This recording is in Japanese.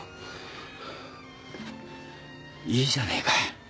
いいじゃねえか。